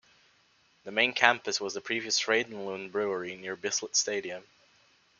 The main campus was the previous Frydenlund Brewery near Bislett stadium.